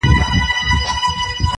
سپوږميه کړنگ وهه راخېژه وايم